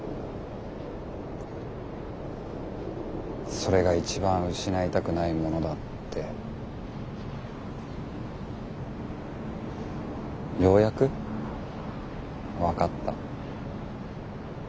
それが一番失いたくないものだってようやく分かった。